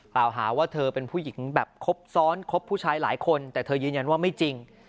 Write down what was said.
กล่าวหาว่าเธอเป็นผู้หญิงแบบครบซ้อนครบผู้ชายหลายคนแต่เธอยืนยันว่าไม่จริง